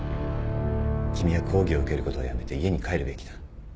君は講義を受けることを辞めて家に帰るべきだ。